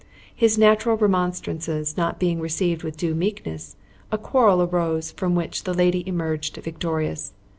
His natural remonstrances not being received with due meekness, a quarrel arose from which the lady emerged victorious.